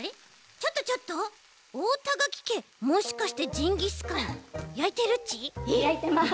ちょっとちょっとおおたがきけもしかしてジンギスカンやいてるち？やいてます！